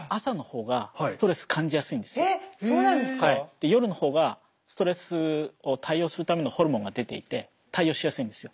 で夜の方がストレスを対応するためのホルモンが出ていて対応しやすいんですよ。